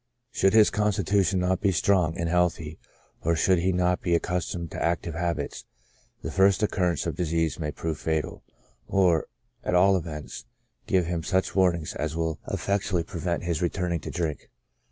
Should his constitution not be strong and healthy, or should he not be accustomed to active habits, the first occurrence of disease may prove fatal, or, at all events, give him such warning as will efFectually prevent his PREDISPOSING CAUSES. 47 returning to drink.